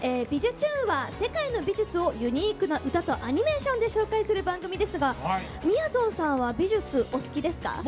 「びじゅチューン！」は世界の美術をユニークな歌とアニメーションで紹介する番組ですがみやぞんさんは美術お好きですか？